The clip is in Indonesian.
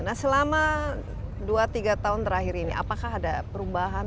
nah selama dua tiga tahun terakhir ini apakah ada perubahan